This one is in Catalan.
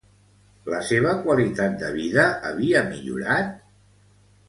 La seva qualitat de vida havia millorat?